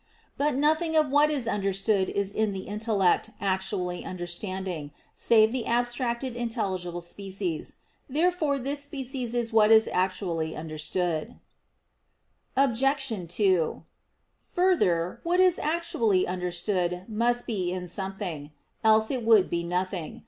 But nothing of what is understood is in the intellect actually understanding, save the abstracted intelligible species. Therefore this species is what is actually understood. Obj. 2: Further, what is actually understood must be in something; else it would be nothing.